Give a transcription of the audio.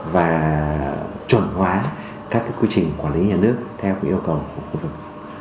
và chuẩn hóa các quy trình quản lý nhà nước theo yêu cầu của khu vực